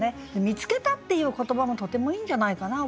「見つけた」っていう言葉もとてもいいんじゃないかな。